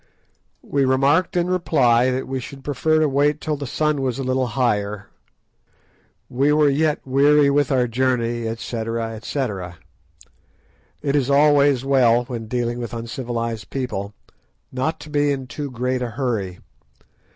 We remarked in reply that we should prefer to wait till the sun was a little higher, we were yet weary with our journey, &c., &c. It is always well, when dealing with uncivilised people, not to be in too great a hurry.